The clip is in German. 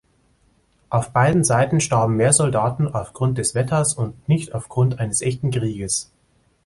Auf beiden Seiten starben mehr Soldaten aufgrund des Wetters und nicht aufgrund eines echten Krieges.